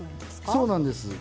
そうなんです。